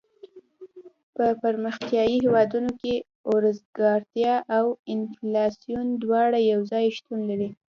په پرمختیایي هېوادونو کې اوزګارتیا او انفلاسیون دواړه یو ځای شتون لري.